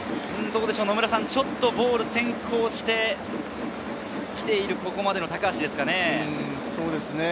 ちょっとボール先行しているここまでの高橋ですかね。